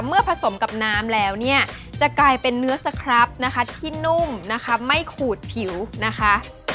ผสมกับน้ำแล้วเนี่ยจะกลายเป็นเนื้อสครับนะคะที่นุ่มนะคะไม่ขูดผิวนะคะ